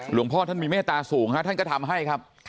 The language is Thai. หลวงพ่อท่านมีเมตตาสูงฮะท่านก็ทำให้ครับ